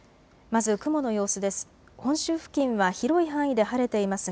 まず雲の様子です。